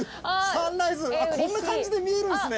サンライズこんな感じで見えるんですね。